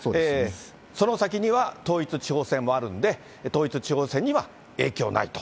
その先には、統一地方選もあるんで、統一地方選には影響ないと。